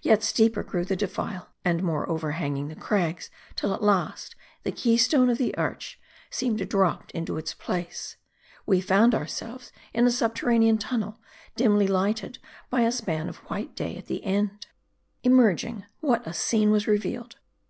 Yet steeper grew the defile, and more overhanging the crags ; till 'at last, the keystone of the arch seemed dropped into its place. We found ourselves in a subterranean tunnel, dimly lighted by a span of white day at the end. Emerging, what a scene was revealed